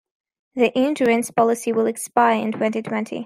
The insurance policy will expire in twenty-twenty.